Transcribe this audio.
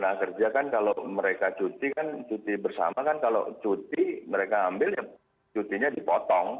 nah kerja kan kalau mereka cuti kan cuti bersama kan kalau cuti mereka ambil ya cutinya dipotong